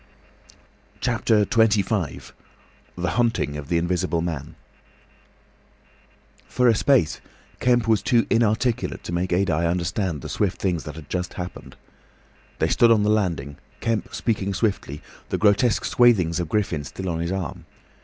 CHAPTER XXV. THE HUNTING OF THE INVISIBLE MAN For a space Kemp was too inarticulate to make Adye understand the swift things that had just happened. They stood on the landing, Kemp speaking swiftly, the grotesque swathings of Griffin still on his arm.